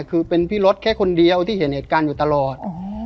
คือเป็นพี่รถแค่คนเดียวที่เห็นเหตุการณ์อยู่ตลอด